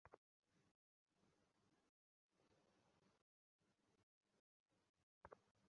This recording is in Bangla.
রাস্তার পাশে সারাজীবন ধরে এই ব্লকেই বাস করছি তোমার নাম কি?